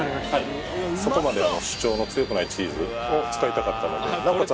そこまで主張の強くないチーズを使いたかったのでなおかつ